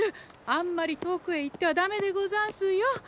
あんまり遠くへ行ってはダメでござんすよ。